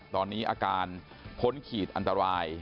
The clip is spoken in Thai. ตอนนี้อาการพ้นขีดอันตราย